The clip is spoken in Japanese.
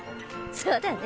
そうだね。